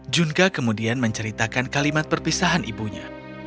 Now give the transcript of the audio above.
junka kemudian menceritakan kalimat perpisahan ibunya